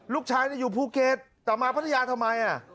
ลูกชายอยู่ภูเก็ตแต่มาพัทยาทำไม